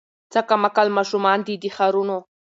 څه کم عقل ماشومان دي د ښارونو